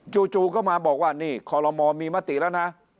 จู่ก็มาบอกว่านี่คอลโลมอลมีมติแล้วนะ